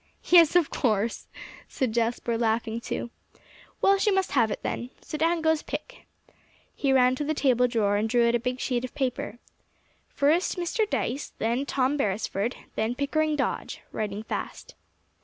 "Yes, of course," said Jasper, laughing too. "Well, she must have it then. So down goes Pick." He ran to the table drawer and drew out a big sheet of paper. "First, Mr. Dyce, then Tom Beresford, then Pickering Dodge," writing fast.